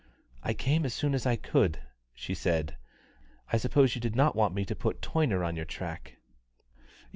"I came as soon as I could," she said. "I suppose you did not want me to put Toyner on your track."